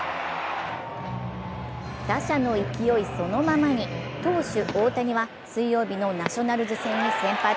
打者の勢いそのままに、投手・大谷は水曜日のナショナルズ戦に先発。